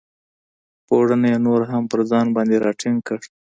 پوړنی یې نور هم پر ځان باندې را ټینګ کړ.